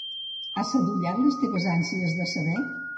Has sadollat les teves ànsies de saber?